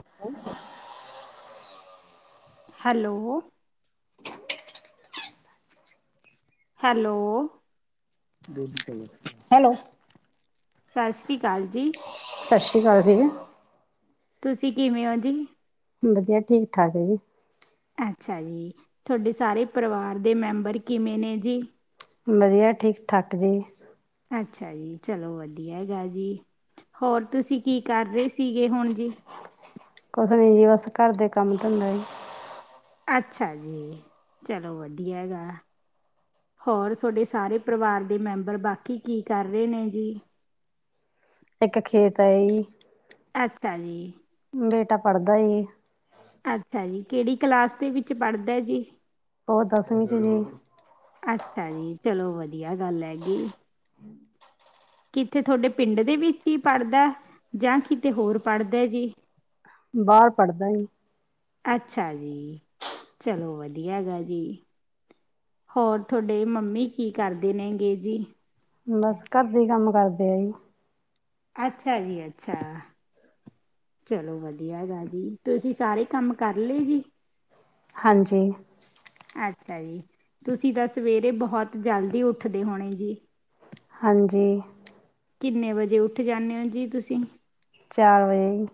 ਆ ਹੋ hello hello hello. ਸਤਿ ਸ਼੍ਰੀ ਅਕਾਲ ਜੀ। ਸਤਿ ਸ਼੍ਰੀ ਅਕਾਲ ਜੀ। ਤੁਸੀਂ ਕਿਵੇਂ ਹੋ ਜੀ। ਵਧੀਆ ਠੀਕ ਠਾਕ ਹੈ ਜੀ। ਅੱਛਾ ਜੀ। ਤੁਹਾਡੇ ਸਾਰੇ ਪਰਿਵਾਰ ਦੇ ਮੈਂਬਰ ਕਿਵੇਂ ਨੇ ਜੀ। ਵਧੀਆ ਠੀਕ ਠਾਕ ਜੀ। ਅੱਛਾ ਜੀ ਚਲੋ ਵਧੀਆ ਗੱਲ ਜੀ। ਹੋਰ ਤੁਸੀਂ ਕੀ ਕਰ ਰਹੇ ਸੀਗੇ ਹੁਣ ਜੀ। ਕੁਛ ਨੀ ਜੀ ਬਸ ਘਰ ਦੇ ਕੰਮ ਧੰਦੇ। ਅੱਛਾ ਜੀ ਚੱਲੋ ਵਧੀਆ ਹੈਗਾ। ਹੋਰ ਤੁਹਾਡੇ ਸਾਰੇ ਪਰਿਵਾਰ ਦੇ ਮੈਂਬਰ ਬਾਕੀ ਕੀ ਕਰ ਰਹੇ ਨੇ ਜੀ? ਇੱਕ ਖੇਤ ਐ‌ ਹੀ। ਅੱਛਾ ਜੀ। ਬੇਟਾ ਪੜ੍ਹਦਾ ਹੈ ਨਹੀਂ। ਅੱਛਾ ਜੀ ਕਿਹੜੀ ਕਲਾਸ ਦੇ ਵਿੱਚ ਪੜ੍ਹਦਾ ਐ ਜੀ? ਉਹ ਦਸਵੀਂ ਚ ਨੇ। ਅੱਛਾ ਜੀ ਚਲੋ ਵਧੀਆ ਗੱਲ ਹੈਗੀ। ਕਿਤੇੇ ਤੁਹਾਡੇ ਪਿੰਡ ਦੇ ਵਿੱਚ ਹੀ ਪੜ੍ਹਦਾ ਜਾਂ ਕੀਤੇ ਹੋਰ ਪੜ੍ਹਦਾ ਐ ਜੀ? ਬਾਰ ਪੜ੍ਹਦਾ ਈ। ਅੱਛਾ ਜੀ ਚੱਲੋ ਵਧੀਆ ਗੱਲ ਈ। ਹੋਰ ਤੁਹਾਡੇ ਮੰਮੀ ਕੀ ਕਰਦੇ ਨੇ ਗੇੇ ਜੀ? ਬਸ ਘੱਰਦੇ ਕੰਮ ਕਰਦੇ ਆ ਜੀ। ਅੱਛਾ ਜੀ ਅੱਛਾ। ਚੱਲੋ ਵਧੀਆ ਗੱਲ ਏ ਜੀ ਤੁਸੀਂ ਸਾਰੇ ਕੰਮ ਕਰ ਲਏ ਜੀ? ਹਾਂਜੀ। ਅੱਛਾ ਜੀ ਤੁਸੀਂ ਤਾਂ ਸਵੇਰੇ ਬਹੁਤ ਜਲਦੀ ਉੱਠਦੇ ਹੋਣੇ ਜੀ। ਹਾਂਜੀ। ਕਿੰਨੇ ਵਜੇ ਉੱਠ ਜਾਂਣੇ ਓ ਜੀ ਤੁਸੀਂ? ਚਾਰ ਵਜੇ।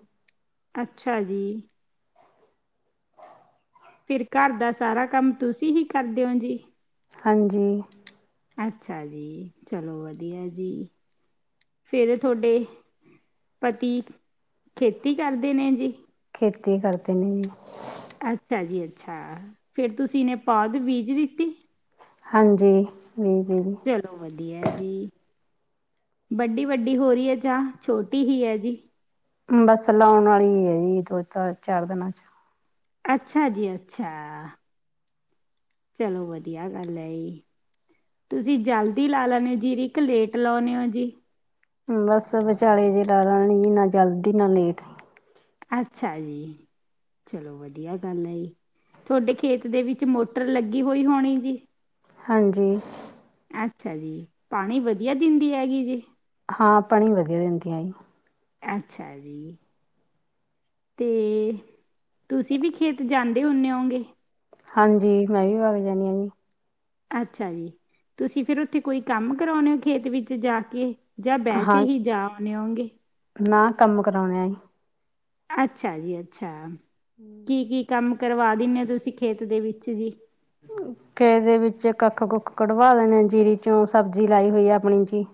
ਅੱਛਾ ਜੀ। ਫਿਰ ਘੱਰ ਦਾ ਸਾਰਾ ਕੰਮ ਤੁਸੀਂ ਹੀ ਕਰਦੇ ਓ ਜੀ। ਹਾਂਜੀ। ਅੱਛਾ ਜੀ ਚਲੋ ਵਧੀਆ ਜੀ। ਫੇਰ ਤੁਹਾਡੇ ਪਤੀ ਖੇਤੀ ਕਰਦੇ ਨੇ ਜੀ। ਖੇਤੀ ਕਰਦੇ ਨੇ ਜੀ। ਅੱਛਾ ਜੀ, ਅੱਛਾ ਫੇਰ ਤੁਸੀਂ ਇਹਨੇ ਪੌਧ ਬੀਜ ਦਿੱਤੀ। ਹਾਂਜੀ ਬੀਜ ਜੀ। ਚੱਲੋ ਵਧੀਆ ਜੀ। ਵੱਡੀ-ਵੱਡੀ ਹੋ ਰਹੀ ਹੈ ਚਾਹ ਛੋਟੀ ਹੀ ਹੈ ਜੀ। ਬਸ ਲਾਣ ਵਾਲੀ ਹੈ ਜੀ ਦੋ ਤਾਂ ਚਾਰ ਦਿਨਾਂ ਚ। ਅੱਛਾ ਜੀ ਅੱਛਾ। ਚੱਲੋ ਵਧੀਆ ਗੱਲ ਹੈ ਜੀ। ਤੁਸੀਂ ਜਲਦੀ ਲਾ ਲਓਨੇ ਜੀਰੀ ਕੇ ਲੇਟ ਲਉਂਨੇ ਔ ਜੀ। ਬਸ ਵਿਚਾਲੇ ਜੇ ਲਾ ਲਨੀ ਜੀ ਨਾ ਜਲਦੀ ਨਾ ਲੇਟ। ਅੱਛਾ ਜੀ। ਚਲੋ ਵਧੀਆ ਗੱਲ ਹੈ ਈ। ਤੁਹਾਡੇ ਖੇਤ ਦੇ ਵਿੱਚ ਮੋਟਰ ਲੱਗੀ ਹੋਈ ਹੋਣੀ ਜੀ। ਹਾਂਜੀ। ਅੱਛਾ ਜੀ ਪਾਣੀ ਵਧੀਆ ਦਿੰਦੀ ਹੈਗੀ ਜੀ। ਹਾਂ ਪਾਣੀ ਵਧੀਆ ਦਿੰਦੀ ਹੈਗੀ। ਅੱਛਾ ਜੀ। ਤੇ ਤੁਸੀਂ ਵੀ ਖੇਤ ਜਾਂਦੇ ਹੁੰਣੇ ਹੋਗੇ। ਹਾਂਜੀ ਮੈਂ ਵੀ ਵੱਗ ਜਾਂਦੀ ਹਾਂ ਜੀ। ਅੱਛਾ ਜੀ ਤੁਸੀਂ ਫਿਰ ਉੱਥੇ ਕੋਈ ਕੰਮ ਕਰਾਉਣੇ ਹੋ ਖੇਤ ਵਿੱਚ ਜਾ ਕੇ। ਜਾਂ ਵੈਸੇ ਹਾਂ ਹੀ ਜਾ ਆਉਣੇ ਹੋਉਗੇ। ਨਾ ਕੰਮ ਕਰਾਉਣੇ ਆਂ ਜੀ। ਅੱਛਾ ਜੀ- ਅੱਛਾ ਕੀ-ਕੀ ਕੰਮ ਕਰਵਾ ਦਿੰਦੇ ਓ ਤੁਸੀਂ ਖੇਤ ਦੇ ਵਿੱਚ ਜੀ। ਖੇਤ ਦੇ ਵਿੱਚ ਕੱਖ-ਕੁੱਖ ਕਢਵਾ ਲੇਣੇ ਜੀਰੀ ਚੋਂ ਸਬਜ਼ੀ ਲਾਈ ਹੋਈ ਹੈ ਆਪਣੀ ਜੀ।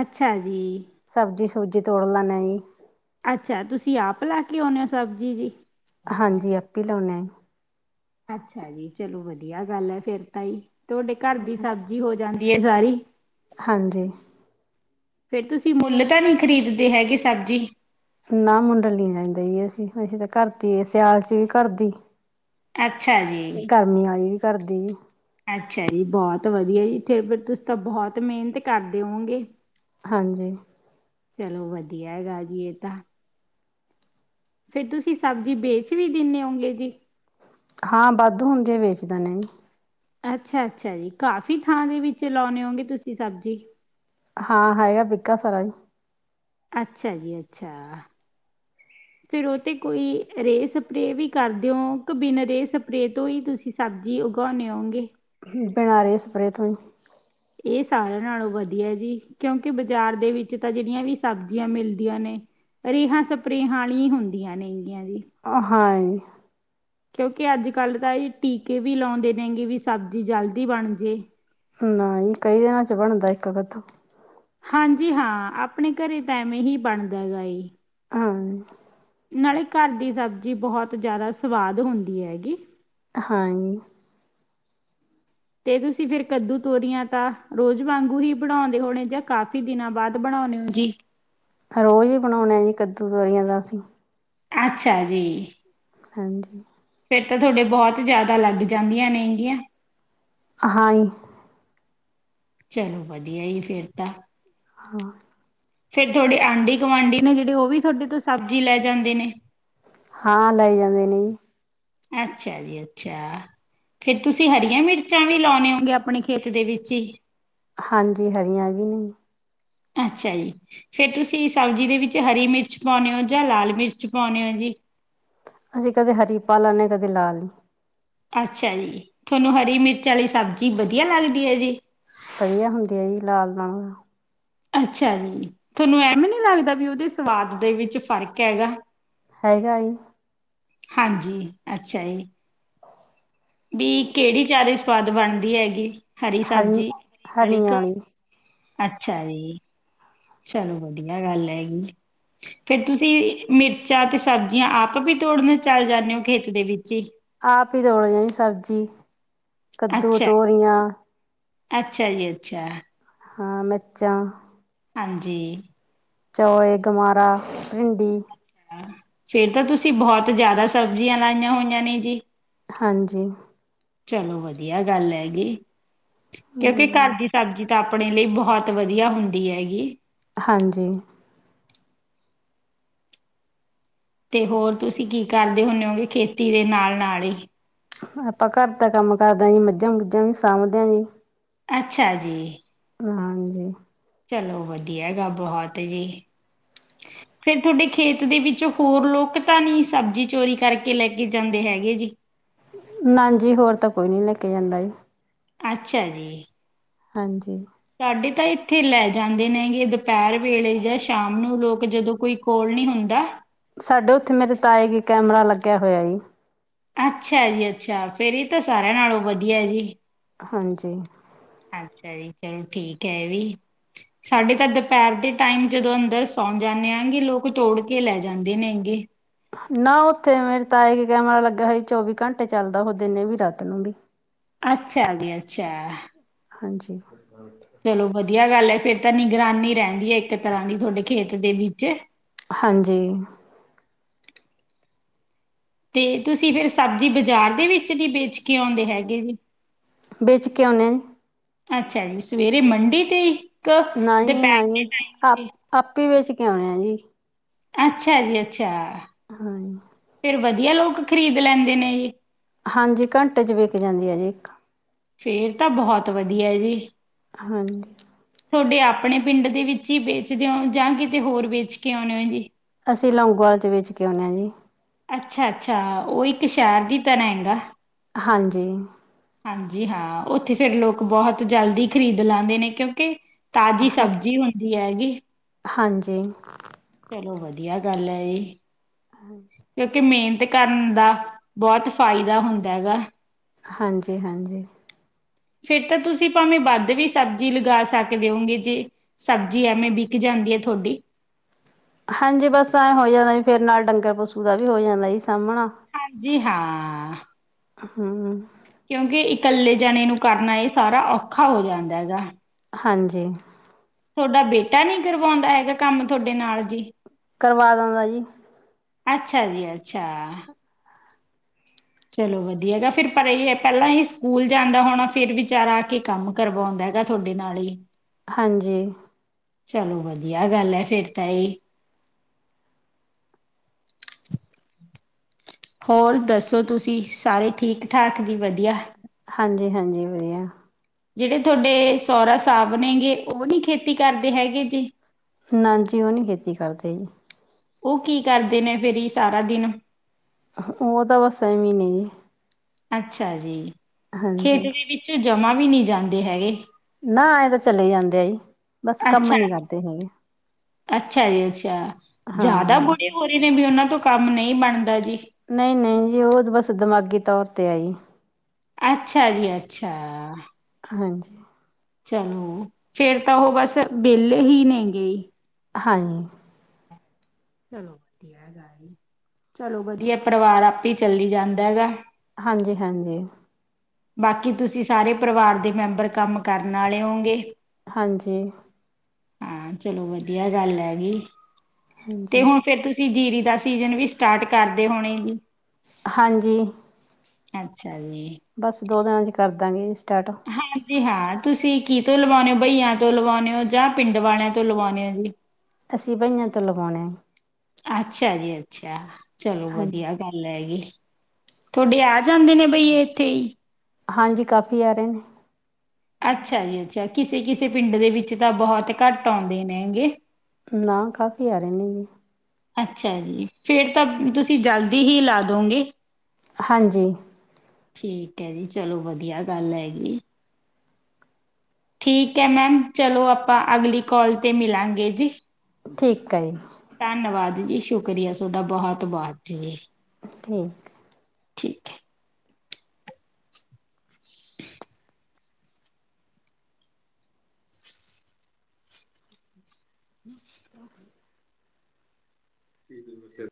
ਅੱਛਾ ਜੀ। ਸਬਜ਼ੀ ਸੁਬਜੀ ਤੋੜਲ ਨਹੀ। ਅੱਛਾ, ਤੁਸੀਂ ਆਪ ਲੈ ਕੇ ਆਉਂਦੇ ਹੋ ਸਬਜ਼ੀ ਜੀ। ਹਾਂਜੀ ਆਪੇ ਲਾਉਨੇ। ਅੱਛਾ ਜੀ। ਚਲੋ ਵਧੀਆ ਗੱਲ ਹੈ ਫੇਰ ਤਾਂ ਹੀ। ਤੁਹਾਡੇ ਘਰ ਦੀ ਸਬਜ਼ੀ ਹੋ ਜਾਂਦੀ ਹੈ ਸਾਰੀ। ਹਾਂਜੀ। ਫੇਰ ਤੁਸੀਂ ਮੁੱਲ ਤਾਂ ਨਹੀਂ ਖਰੀਦਦੇ ਹੈਗੇ ਸਬਜ਼ੀ। ਨਾ ਮੁੰਡਲਲੀ ਲੈਂਦੇਹੀ ਅਸੀ, ਅਸੀਂ ਤਾਂ ਘਰਦੀ ਸਿਆਲ ਚ ਵੀ ਘਰਦੀ। ਅੱਛਾ ਜੀ ਗਰਮੀ ਆਈ ਵੀ ਘਰਦੀ। ਅੱਛਾ ਜੀ, ਬਹੁਤ ਵਧੀਆ ਜੀ। ਥੇ ਫੇਰ ਤੁਸੀਂ ਤਾਂ ਬਹੁਤ ਮਿਹਨਤ ਕਰਦੇ ਹੋਓਗੇਂ। ਹਾਂਜੀ। ਚਲੋ ਵਧੀਆ ਹੈਗਾ ਜੀ ਇਹ ਤਾਂ। ਫੇਰ ਤੁਸੀਂ ਸਬਜ਼ੀ ਵੇਚ ਵੀ ਦਿੰਦੇ ਹੋਣਗੇ ਜੀ। ਹਾਂ, ਵਾਧੂ ਹੁੰਦੀ ਵੇਚ ਦਿੰਦੇ ਜੀ। ਅੱਛਾ, ਅੱਛਾ ਜੀ। ਕਾਫ਼ੀ ਥਾਂ ਦੇ ਵਿੱਚ ਲਾਉਂਣੇ ਹੋਂਗੇ ਤੁਸੀਂ ਸਬਜ਼ੀ। ਹਾਂ ਹੈਗਾ ਪਿੱਕਾ ਸਾਰਾ ਹੀ। ਅੱਛਾ ਜੀ, ਅੱਛਾ। ਫਿਰ ਉਹ ਤੇ ਕੋਈ ਰੇ ਸਪਰੇ ਵੀ ਕਰਦੇਓ ਕੇ ਬਿਨਾ ਰੇ ਸਪਰੇ ਤੋਂ ਹੀ ਤੁਸੀਂ ਸਬਜ਼ੀ ਉਗਾਉਣੇ ਹੋਉਂਗੇ। ਬਣਾ ਰਹੇ ਸਪਰੇ ਤੋਂ ਹੀ। ਇਹ ਸਾਰਿਆਂ ਨਾਲੋਂ ਵਧੀਆ ਜੀ ਕਿਉਂਕਿ ਬਾਜ਼ਾਰ ਦੇ ਵਿੱਚ ਤਾਂ ਜਿਹੜੀਆਂ ਵੀ ਸਬਜ਼ੀਆਂ ਮਿਲਦੀਆਂ ਨੇ [unintelligible] ਅ ਹਾਏ। ਕਿਉਂਕਿ ਅੱਜ-ਕੱਲ੍ਹ ਤਾਂ ਜੀ ਟੀਕੇ ਵੀ ਲਾਉਂਦੇ ਨੇਗੇ ਵੀ ਸਬਜ਼ੀ ਜਲਦੀ ਬਣ ਜੇ। ਨਾਈ ਕਈ ਦਿਨਾਂ ਚ ਬਣਦਾ ਇੱਕ ਕੱਦੂ। ਹਾਂਜੀ ਹਾਂ ਆਪਣੇ ਘਰੇ ਤਾਂ ਐਵੇਂ ਹੀ ਬਣਦਾ ਹੈ ਗ ਏ। ਹਾਂ। ਨਾਲੇ ਘਰ ਦੀ ਸਬਜ਼ੀ ਬਹੁਤ ਜ਼ਿਆਦਾ ਸਵਾਦ ਹੁੰਦੀ ਹੈਗੀ। ਹਾਂ। ਤੇ ਤੁਸੀਂ ਫੇਰ ਕੱਦੂ ਤੋਰੀਆਂ ਤਾਂ ਰੋਜ਼ ਵਾਂਗੂ ਹੀ ਬਣਾਉਂਦੇ ਹੋਣੇ ਜਾਂ ਕਾਫੀ ਦਿਨਾਂ ਬਾਅਦ ਬਣਾਉਂਦੇ ਹੋ ਜੀ? ਰੋਜ਼ ਹੀ ਬਣਾਉਣਾ ਜੀ ਕੱਦੂ, ਤੋਰੀਆਂ ਦਾ ਅਸੀਂ। ਅੱਛਾ ਜੀ। ਹਾਂਜੀ। ਫਿਰ ਤਾਂ ਤੁਹਾਡੇ ਬਹੁਤ ਜ਼ਿਆਦਾ ਲੱਗ ਜਾਂਦੀਆਂ ਨੇ ਇਹਗੀਆਂ। ਹਾਂ। ਚਲੋ ਵਧੀਆ ਫੇਰ ਤਾਂ। ਹਾਂ। ਫੇਰ ਥੋੜੇ ਆਂਢੀ, ਗੁਆਂਢੀ ਨੇ ਜਿਹੜੇ ਉਹ ਵੀ ਤੁਹਾਡੇ ਤੋਂ ਸਬਜ਼ੀ ਲੈ ਜਾਂਦੇ ਨੇ? ਹਾਂ, ਲੈ ਜਾਂਦੇ ਨੇ ਜੀ। ਅੱਛਾ ਜੀ, ਅੱਛਾ। ਫੇਰ ਤੁਸੀਂ ਹਰੀਆਂ ਮਿਰਚਾਂ ਵੀ ਲਾਉਣੇ ਹੋਂਗੇ ਆਪਣੇ ਖੇਤ ਦੇ ਵਿੱਚ ਹੀ। ਹਾਂਜੀ, ਹਰੀਆਂ ਵੀ ਨਹੀਂ। ਅੱਛਾ ਜੀ, ਫਿਰ ਤੁਸੀਂ ਸਬਜ਼ੀ ਦੇ ਵਿੱਚ ਹਰੀ ਮਿਰਚ ਪਾਉਂਦੇ ਹੋ ਜਾਂ ਲਾਲ ਮਿਰਚ ਪਾਉਂਦੇ ਹੋ ਜੀ? ਅਸੀਂ ਕਦੇ ਹਰੀ ਪਾ ਲੈਦੇ ਕਦੇ ਲਾਲ। ਅੱਛਾ ਜੀ, ਤੁਹਾਨੂੰ ਹਰੀ ਮਿਰਚ ਵਾਲੀ ਸਬਜ਼ੀ ਵਧੀਆ ਲੱਗਦੀ ਹੈ ਜੀ? ਵਧੀਆ ਹੁੰਦੀ ਆ ਜੀ ਲਾਲ ਨਾਲੋਂ ਅੱਛਾ ਜੀ, ਤੁਹਾਨੂੰ ਐਵੇ ਨੀ ਲੱਗਦਾ ਵੀ ਉਹਦੇ ਸਵਾਦ ਦੇ ਵਿੱਚ ਫ਼ਰਕ ਹੈਗਾ? ਹੈਗਾ ਏ। ਹਾਂਜੀ, ਅੱਛਾ ਜੀ, ਵੀ ਕਿਹੜੀ ਜਿਆਦਾ- ਸਵਾਦ ਬਣਦੀ ਹੈਗੀ ਹਰੀ ਸਬਜ਼ੀ ਹਰੀਆਂ [unintelligible] ਵਾਲੀ ਅੱਛਾ ਜੀ। ਚਲੋ ਵਧੀਆ ਗੱਲ ਹੈਗੀ। ਫੇਰ ਤੁਸੀਂ ਮਿਰਚਾਂ ਤੇ ਸਬਜ਼ੀਆਂ ਆਪ ਵੀ ਤੋੜਨ ਚੱਲ ਜਾਂਦੇ ਹੋ ਖੇਤ ਦੇ ਵਿੱਚ ਹੀ? ਆਪ ਹੀ ਤੋੜਦੇ ਜੀ ਸਬਜ਼ੀ ਕੱਦੂ, ਅੱਛਾ ਜੀ, ਤੋਰੀਆਂ। ਅੱਛਾ ਜੀ ਅੱਛਾ। ਹਾਂ ਮਿਰਚਾਂ ਹਾਂਜੀ। ਚੌਲ, ਗਮਾਰਾ, ਭਿੰਡੀ ਫੇਰ ਤਾਂ ਤੁਸੀਂ ਬਹੁਤ ਜ਼ਿਆਦਾ ਸਬਜ਼ੀਆਂ ਲਾਈਆਂ ਹੋਈਆਂ ਨੇ ਜੀ। ਹਾਂਜੀ। ਚਲੋ ਵਧੀਆ ਗੱਲ ਹੈਗੀ, ਕਿਉਂਕਿ ਘਰ ਹਮ ਦੀ ਸਬਜ਼ੀ ਤਾਂ ਆਪਣੇ ਲਈ ਬਹੁਤ ਵਧੀਆ ਹੁੰਦੀ ਹੈਗੀ। ਹਾਂਜੀ। ਤੇ ਹੋਰ ਤੁਸੀਂ ਕੀ ਕਰਦੇ ਹੁੰਣੇ ਹੋ ਵੀ ਖੇਤੀ ਦੇ ਨਾਲ-ਨਾਲ ਹੀ? ਆਪਾਂ ਘਰ ਦਾ ਕੰਮ ਕਰਦੇ ਜੀ ਮੱਝਾਂ-ਮੁੱਝਾਂ ਵੀ ਸਾਂਭਦੇ ਹਾਂ ਜੀ। ਅੱਛਾ ਜੀ। ਹਾਂਜੀ। ਚਲੋ ਵਧੀਆ ਹੈਗਾ ਬਹੁਤ ਜੀ। ਫੇਰ ਤੁਹਾਡੇ ਖੇਤ ਦੇ ਵਿੱਚ ਹੋਰ ਲੋਕ ਤਾਂ ਨਹੀਂ ਸਬਜ਼ੀ ਚੋਰੀ ਕਰਕੇ ਲੈ ਕੇ ਜਾਂਦੇ ਹੈਗੇ ਜੀ? ਨਾਜੀ ਹੋਰ ਤਾਂ ਕੋਈ ਨੀ ਲੈ ਕੇ ਜਾਂਦਾ ਸੀ। ਅੱਛਾ ਜੀ, ਹਾਂ ਜੀ। ਸਾਡੇ ਤਾਂ ਇੱਥੇ ਲੈ ਜਾਂਦੇ ਨੇਗੇ, ਦੁਪਹਿਰ ਵੇਲੇ ਜਾਂ ਸ਼ਾਮ ਨੂੰ ਲੋਕ, ਜਦੋਂ ਕੋਈ ਕੋਲ ਨਹੀਂ ਹੁੰਦਾ, ਸਾਡੇ ਉੱਥੇ ਮੇਰੇ ਤਾਏ ਕੇ ਕੈਮਰਾ ਲੱਗਿਆ ਹੋਇਆ ਐ। ਅੱਛਾ ਜੀ ਅੱਛਾ ਫੇਰ ਏ ਤਾਂ ਸਾਰਿਆਂ ਨਾਲੋਂ ਵਧੀਆ ਐ ਜੀ। ਹਾਂਜੀ। ਅੱਛਾ ਜੀ, ਚਲੋ ਠੀਕ ਹੈ ਇਹ ਵੀ। ਸਾਡੇ ਤਾਂ ਦੁਪਹਿਰ ਦੇ ਟਾਈਮ ਜਦੋਂ ਅੰਦਰ ਸੌਣ ਜਾਨੇ ਐਂਗੇ, ਲੋਕ ਤੋੜ ਕੇ ਲੈ ਜਾਂਦੇ ਨੇਗੇ। ਨਾ ਉੱਥੇ ਮੇਰੇ ਤਾਏ ਕੇ ਕੈਮਰਾ ਲੱਗਿਆ ਹੋਇਆ, ਚੌਵੀ ਘੰਟੇ ਚੱਲਦਾ ਉਹ ਦਿਨੇ ਵੀ ਰਾਤ ਨੂੰ ਵੀ। ਅੱਛਾ ਜੀ ਅੱਛਾ। [unintelligible] ਚਲੋ ਵਧੀਆ ਗੱਲ ਹੈ, ਫੇਰ ਤਾਂ ਨਿਗਰਾਨੀ ਰਹਿੰਦੀ ਹੈ, ਇੱਕ ਤਰ੍ਹਾਂ ਦੀ ਤੁਹਾਡੇ ਖੇਤ ਦੇ ਵਿੱਚ। ਹਾਂਜੀ। ਤੇ ਤੁਸੀਂ ਫੇਰ ਸਬਜ਼ੀ ਬਜ਼ਾਰ ਦੇ ਵਿੱਚ ਨਹੀਂ ਵੇਚ ਕੇ ਆਉਂਦੇ ਹੈਗੇ ਜੀ। ਵੇਚ ਕੇ ਆਉਨੇ ਆਂ ਜੀ। ਅੱਛਾ ਜੀ, ਸਵੇਰੇ ਮੰਡੀ ਤੇ ਦੁਪਹਿਰ ਨਾ ਜੀ ਨਾ ਜੀ, ਦੇ ਟਾਈਮ ਆਪ ਜੀ ਆਪੇ ਵੇਚ ਕੇ ਆਉਣੇ ਆਂ ਜੀ। ਅੱਛਾ ਜੀ ਅੱਛਾ। ਹਾਂ। ਫੇਰ ਵਧੀਆ ਲੋਕ ਖ਼ਰੀਦ ਲੈਂਦੇ ਨੇ ਜੀ? ਹਾਂਜੀ ਘੰਟੇ ਚ ਵਿਕ ਜਾਂਦੀ ਹੈ ਜੀ ਇੱਕ। ਫੇਰ ਤਾਂ ਬਹੁਤ ਵਧੀਆ ਹੈ ਜੀ। ਹਾਂਜੀ ਥੋਡੇ ਆਪਣੇ ਪਿੰਡ ਦੇ ਵਿੱਚ ਹੀ ਵੇਚਦੇ ਹੋ, ਜਾਂ ਕਿਤੇ ਹੋਰ ਵੇਚ ਕੇ ਆਉਨੇ ਓ ਜੀ। ਅਸੀਂ ਲੌਂਗੋ ਵਾਲ 'ਚ ਵੇਚ ਕੇ ਆਉਨੇ ਆਂ ਜੀ। ਅੱਛਾ ਅੱਛਾ, ਉਹ ਇੱਕ ਸ਼ਹਿਰ ਦੀ ਤਰ੍ਹਾਂ ਐਗਾ। ਹਾਂਜੀ। ਹਾਂਜੀ ਹਾਂ, ਉੱਥੇ ਫੇਰ ਲੋਕ ਬਹੁਤ ਜਲਦੀ ਖ਼ਰੀਦ ਲੈਂਦੇ ਨੇ, ਕਿਉਂਕਿ ਤਾਜ਼ੀ ਹਾਂ ਸਬਜ਼ੀ ਹੁੰਦੀ ਹੈਂਗੀ ਹਾਂਜੀ। ਚਲੋ ਵਧੀਆ ਗੱਲ ਏ ਐ। ਹਨ ਕਿਉਂਕਿ ਮੇਹਨਤ ਕਰਨ ਦਾ ਬੌਹਤ ਫਾਇਦਾ ਹੁੰਦਾ ਹੈਗਾ। ਹਾਂਜੀ-ਹਾਂਜੀ। ਫੇਰ ਤਾਂ ਤੁਸੀਂ ਭਾਵੇਂ ਵੱਧ ਵੀ ਸਬਜ਼ੀ ਲਗਾ ਸਕਦੇ ਹੋਂਗੇ, ਜੇ ਸਬਜ਼ੀ ਐਵੇਂ ਬਿਕ ਜਾਂਦੀ ਹੈ ਥੋਡੀ? ਹਾਂਜੀ, ਬਸ ਐਂ ਹੋ ਜਾਂਦਾ ਜੀ, ਫੇਰ ਨਾਲ ਡੰਗਰ ਪਸੂ ਦਾ ਵੀ ਹੋ ਜਾਂਦਾ ਸੀ ਸਾਂਭਣਾ। ਹਾਂਜੀ ਹਾਂ। ਹੂੰ। ਕਿਉਂਕਿ ਇਕੱਲੇ ਜਾਣੇ ਨੂੰ ਕਰਨਾ, ਇਹ ਸਾਰਾ ਔਖਾ ਹੋ ਜਾਂਦਾ ਹੈਗਾ। ਹਾਂਜੀ। ਥੋਡਾ ਬੇਟਾ ਨੀ ਕਰਵਾਉਂਦਾ ਹੈਗਾ, ਕੰਮ ਥੋਡੇ ਨਾਲ ਜੀ? ਕਰਵਾ ਦਿੰਦਾ ਜੀ। ਅੱਛਾ ਜੀ ਅੱਛਾ। ਚਲੋ ਵਧੀਆ ਹੈਗਾ, ਫੇਰ ਪਰ ਇਹ ਪਹਿਲਾਂ ਈ ਸਕੂਲ ਜਾਂਦਾ ਹੋਣਾ, ਫੇਰ ਵਿਚਾਰਾ ਆ ਕੇ ਕੰਮ ਕਰਵਾਉਂਦਾ ਹੈਗਾ ਥੋਡੇ ਨਾਲ ਹੀ? ਹਾਂਜੀ। ਚਲੋ ਵਧੀਆ ਗੱਲ ਹੈ ਫਿਰ ਤਾਂ ਏਹ। ਹੋਰ ਦੱਸੋ ਤੁਸੀਂ? ਸਾਰੇ ਠੀਕ ਠਾਕ ਜੀ, ਵਧੀਆ? ਹਾਂਜੀ-ਹਾਂਜੀ ਵਧੀਆ। ਜੇਹੜੇ ਥੋਡੇ ਸੋਅਰਾ ਸਾਬ ਨੇਗੇੇ, ਉਹ ਨੀ ਖੇਤੀ ਕਰਦੇ ਹੈਗੇ ਜੀ? ਨਾ ਜੀ, ਉਹ ਨਈ ਖੇਤੀ ਕਰਦੇ ਜੀ। ਉਹ ਕੀ ਕਰਦੇ ਨੇ ਫਿਰ ਈ ਸਾਰਾ ਦਿਨ? ਉਹ ਤਾਂ ਬਸ ਐਵੇਂ ਨੇ ਜੀ। ਅੱਛਾ ਜੀ, ਹਾਂਜੀ ਖੇਤ ਦੇ ਵਿੱਚੋਂ ਜਮਾ ਵੀ ਨਹੀਂ ਜਾਂਦੇ ਹੈਗੇ? ਨਾ ਏਹ ਤਾਂ ਚਲੇ ਜਾਂਦੇ ਐ ਜੀ। ਬਸ ਕੰਮ ਅੱਛਾ, ਨਹੀਂ ਕਰਦੇ ਹੈਗੇ ਅੱਛਾ ਜੀ ਅੱਛਾ, ਜ਼ਿਆਦਾ ਹਾਂ ਬੁੜੇ ਬੁਰੇ ਨੇ? ਵੀ ਉਹਨਾਂ ਤੋਂ ਕੰਮ ਨਈ ਬਣਦਾ ਜੀ। ਨਈ-ਨਈ ਜੀ, ਉਹ ਦੇ ਬਸ ਦਿਮਾਗੀ ਤੌਰ ਤੇ ਐ ਜੀ। ਅੱਛਾ ਜੀ ਅੱਛਾ। ਹਾਂਜੀ। ਚਲੋ, ਫੇਰ ਤਾਂ ਉਹ ਬਸ ਬੇਲੇ ਹੀ ਨੇ ਗਈ। ਹਾਨ। ਚਲੋ ਵਧੀਆ ਗੱਲ ਏ, ਚਲੋ ਵਧੀਆ ਏ ਪਰਿਵਾਰ ਆਪੇ ਈ ਚੱਲੀ ਜਾਂਦਾ ਹੈਗਾ। ਹਾਂਜੀ-ਹਾਂਜੀ। ਬਾਕੀ ਤੁਸੀਂ ਸਾਰੇ ਪਰਿਵਾਰ ਦੇ ਮੈਂਬਰ ਕੰਮ ਕਰਨ ਆਲੇ ਹੋਗੇ? ਹਾਂਜੀ। ਹਾਂ ਚਲੋ ਵਧੀਆ ਗੱਲ ਹੈਗੀ, ਤੇ ਹਾਂਜੀ ਹੁਣ ਫੇਰ ਤੁਸ ਸੀ, ਜੀਰੀ ਦਾ ਸੀਜ਼ਨ ਵੀ ਸਟਾਰਟ ਕਰਦੇ ਹੋਣੇ ਜੀ? ਹਾਂਜੀ। ਅੱਛਾ ਜੀ। ਬਸ ਦੋ ਦਿਨਾਂ ਚ ਕਰਦਾਂਗੇ ਜੀ ਸਟਾਰਟ। ਹਾਂਜੀ ਹਾਂ, ਤੁਸੀਂ ਕੀ ਤੋਂ ਲਵਾਣੇ ਔ? ਬਈਆਂ ਤੋਂ ਲਵੋਨੇ ਔ ਜਾਂ ਪਿੰਡ ਵਾਲਿਆਂ ਤੋਂ ਲਵੋਨੇ ਹੋ ਜੀ? ਅਸੀਂ ਬਈਆਂ ਤੋਂ ਲਵੋਣੇ। ਅੱਛਾ ਜੀ ਅੱਛਾ, ਚਲੋ ਹਾਂਜੀ ਵਧੀਆ ਗੱਲ ਹੈਗੀ। ਥੋਡੇ ਆ ਜਾਂਦੇ ਨੇ ਬਈਏ ਇੱਥੇ ਈ? ਹਾਂਜੀ, ਕਾਫੀ ਆ ਰਹੇ ਨੇ। ਅੱਛਾ ਜੀ ਅੱਛਾ, ਕਿਸੇ-ਕਿਸੇ ਪਿੰਡ ਦੇ ਵਿੱਚ ਤਾਂ ਬਹੁਤ ਘੱਟ ਆਉਂਦੇ ਨੇ ਹੈਗੇ। ਨਾ, ਕਾਫੀ ਆ ਰਹੇ ਨੇ ਜੀ। ਅੱਛਾ ਜੀ, ਫਿਰ ਤਾਂ ਤੁਸੀਂ ਜਲਦੀ ਹੀ ਲਾ ਦੋਗੇ। ਹਾਂਜੀ। ਠੀਕ ਹੈ ਜੀ, ਚਲੋ ਵਧੀਆ ਗੱਲ ਹੈਗੀ। ਠੀਕ ਹੈ ਮੈਮ। ਚਲੋ, ਆਪਾਂ ਅਗਲੀ ਕੋਾਲ 'ਤੇ ਮਿਲਾਂਗੇ ਜੀ। ਠੀਕ ਆ ਜੀ। ਧੰਨਵਾਦ ਜੀ, ਸ਼ੁਕਰੀਆ ਤੁਹਾਡਾ ਬਹੁਤ-ਬਹੁਤ ਜੀ। ਠੀਕ। ਠੀਕ ਹੈ। [inaudible] [inaudible] [unintelligible]